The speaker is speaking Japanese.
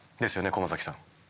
駒崎さん。